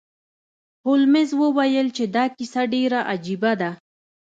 هولمز وویل چې دا کیسه ډیره عجیبه ده.